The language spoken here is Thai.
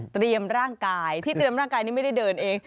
เตรียมร่างกายที่เตรียมร่างกายนี่ไม่ได้เดินเอง